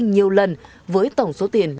nhiều lần với tổng số tiền